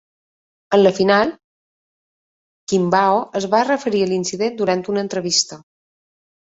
En la final, Quiambao es va referir a l'incident durant una entrevista.